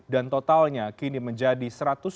dan totalnya kini menjadi satu ratus enam puluh enam